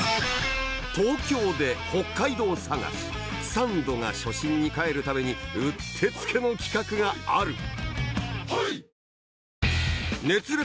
サンドが初心に帰るためにうってつけの企画がある『熱烈！